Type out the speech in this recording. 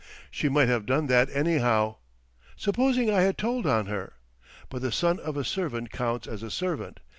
She might have done that anyhow! Supposing I had told on her! But the son of a servant counts as a servant.